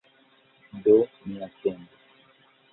Do ni atentu.